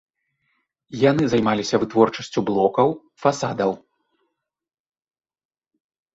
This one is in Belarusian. Яны займаліся вытворчасцю блокаў, фасадаў.